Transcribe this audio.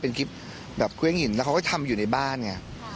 เป็นคลิปแบบเครื่องหินแล้วเขาก็ทำอยู่ในบ้านไง